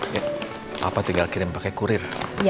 papa tinggal kirim pakai kurir